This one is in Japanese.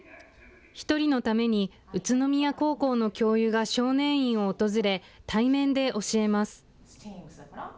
１人のために宇都宮高校の教諭が少年院を訪れ、対面で教えます。